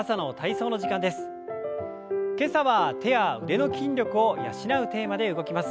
今朝は手や腕の筋力を養うテーマで動きます。